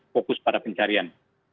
fokus pada pencarian